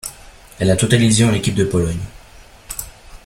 Elle a totalisė en équipe de Pologne.